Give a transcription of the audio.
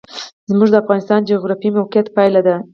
زمرد د افغانستان د جغرافیایي موقیعت پایله ده.